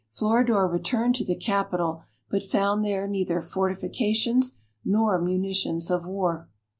Floridor returned to the capital, but found there neither fortifications nor munitions of war.